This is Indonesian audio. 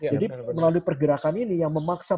jadi melalui pergerakan ini yang memaksa